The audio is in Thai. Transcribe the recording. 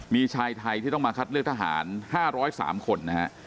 มีชายไทยที่ต้องมาคัดเลือกทหาร๕๐๓คนนะฮะ